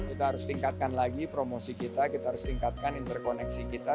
kita harus tingkatkan lagi promosi kita kita harus tingkatkan interkoneksi kita